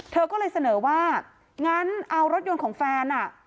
เธอก็เลยเสนอว่างั้นเอารถยนต์ของแฟน